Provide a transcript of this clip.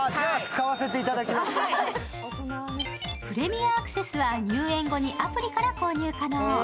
プレミアアクセスは入園後にアプリから購入可能。